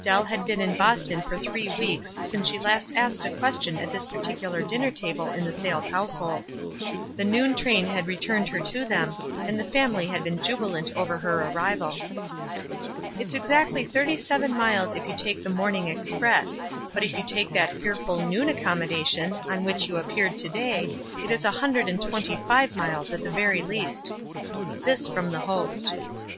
Dell had been in Boston for three weeks since she last asked a question at this particular din ner table in the Sayles household. The noon train had returned her to them, and the family had been jubilant over her arrival. "It's exactly thirty seven miles if you take the morning express ; but if you take that fear ful noon accommodation, on which you ap peared to day, it is a hundred and twenty five miles at the very least." This from the host.